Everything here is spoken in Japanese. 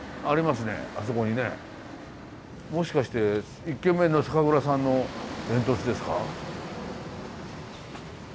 もしかして１軒目の酒蔵さんの煙突ですか。